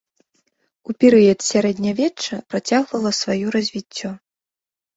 У перыяд сярэднявечча працягвала сваё развіццё.